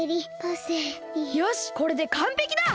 よしこれでかんぺきだ！